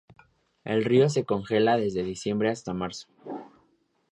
El río se congela desde diciembre hasta marzo.